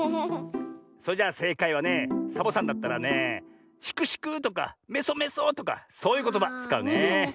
それじゃあせいかいはねサボさんだったらねシクシクとかメソメソとかそういうことばつかうね。